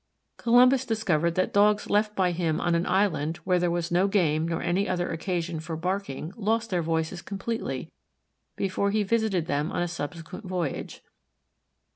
Columbus discovered that Dogs left by him on an island where there was no game nor any other occasion for barking lost their voices completely before he visited them on a subsequent voyage.